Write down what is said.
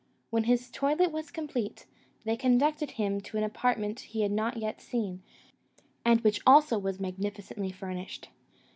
When his toilet was complete, they conducted him to an apartment he had not yet seen, and which also was magnificently furnished.